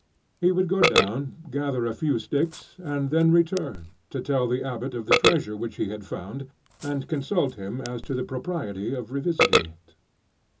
He would go down, gather a few sticks, and then return, to tell the abbot of the treasure which he had found, and consult him as to the propriety of revisiting it.